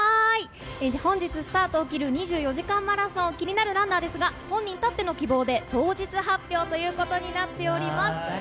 本日スタートを切る、２４時間マラソン、気になるランナーですが、本人たっての希望で、当日発表ということになっております。